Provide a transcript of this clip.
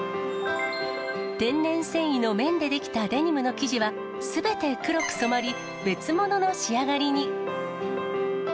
天然繊維の綿で出来たデニムの生地は、すべて黒く染まり、別物の仕上がりに。